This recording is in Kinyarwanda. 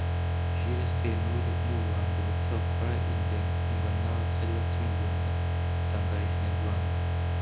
Jules Sentore umwe mu bahanzi bake bakora iyi njyana ikundwa nabatari bake mu Rwanda yatangarije Inyarwanda